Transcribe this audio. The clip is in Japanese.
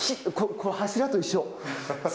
この柱と一緒。